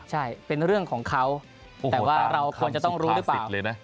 ใช่เป็นเรื่องของเขาแต่ว่าเราควรจะต้องรู้หรือเปล่า